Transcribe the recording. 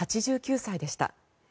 ８９歳でした。